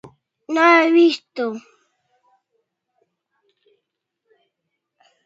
No he visto